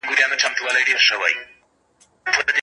وروسته {وَالْقُرْءَانِ الْحَكِيمِ} ذکر سوی دی.